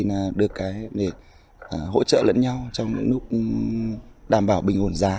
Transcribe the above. sản xuất theo chuỗi này được hỗ trợ lẫn nhau trong những lúc đảm bảo bình ổn giá